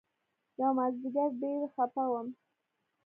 يومازديگر ډېر خپه وم.